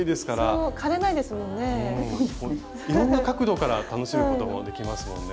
いろんな角度から楽しむこともできますもんね。